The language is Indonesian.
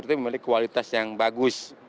itu memiliki kualitas yang bagus